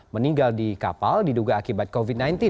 meninggal di kapal diduga akibat covid sembilan belas